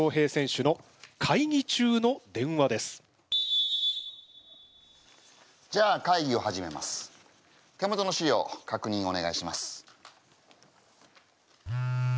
手元の資料かくにんをお願いします。